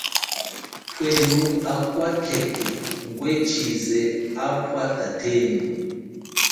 Pwenu akwa khekhe ngwe chize apwa tatenu.